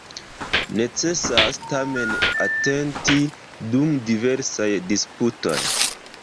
Necesas, tamen, atenti dum diversaj disputoj.